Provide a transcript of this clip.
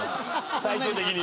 最終的に。